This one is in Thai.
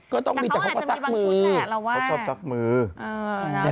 ก็ต้องมีแต่เขาก็ซักมือแหละเราว่าแต่เขาอาจจะมีบางชุดแหละ